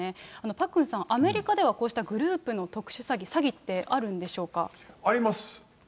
パックンさん、アメリカではこうしたグループの特殊詐欺、詐欺って、あるんでしあります。